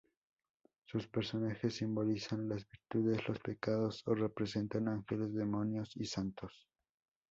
Sus personajes simbolizan las virtudes, los pecados, o representan ángeles, demonios y santos.